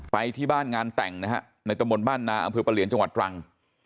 ไปที่บ้านงานแต่งนะฮะในตะมนต์บ้านนาอำเภอประเหลียนจังหวัดตรัง